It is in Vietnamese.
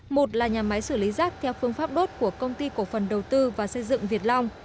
một là nhà máy xử lý rác theo phương pháp đốt của công ty cổ phần đầu tư và xây dựng việt long